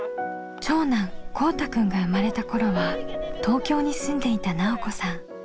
長男こうたくんが生まれた頃は東京に住んでいた奈緒子さん。